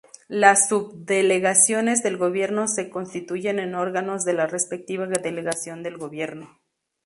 Las Subdelegaciones del Gobierno se constituyen en órganos de la respectiva Delegación del Gobierno.